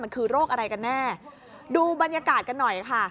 มันคือโรคอะไรกันแน่ดูบรรยากาศกันหน่อยค่ะ